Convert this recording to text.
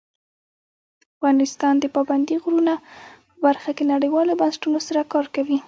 افغانستان د پابندی غرونه په برخه کې نړیوالو بنسټونو سره کار کوي.